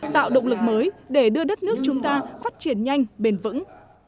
tạo động lực mới để đưa đất nước chúng ta phát triển nhanh bền vững